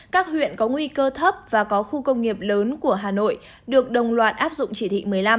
các huyện có nguy cơ thấp và có khu công nghiệp lớn của hà nội được đồng loạt áp dụng chỉ thị một mươi năm